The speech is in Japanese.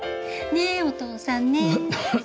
ねえお父さんねえ。